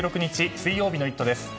水曜日の「イット！」です。